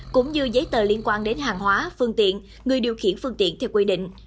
cũng như giấy tờ liên quan đến hàng hóa phương tiện người điều khiển phương tiện theo quy định